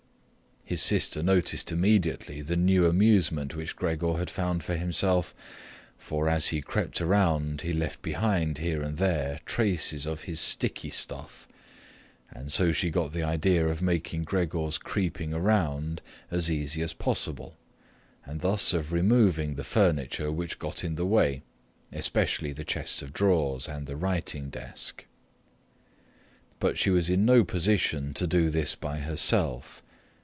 His sister noticed immediately the new amusement which Gregor had found for himself—for as he crept around he left behind here and there traces of his sticky stuff—and so she got the idea of making Gregor's creeping around as easy as possible and thus of removing the furniture which got in the way, especially the chest of drawers and the writing desk. But she was in no position to do this by herself.